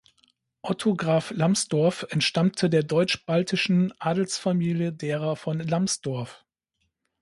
Otto Graf Lambsdorff entstammte der deutschbaltischen Adelsfamilie derer von Lambsdorff.